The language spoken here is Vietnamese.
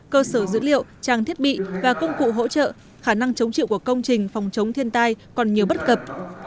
cơ sở dữ liệu trang thiết bị và công cụ hỗ trợ khả năng chống chịu của công trình phòng chống thiên tai còn nhiều bất cập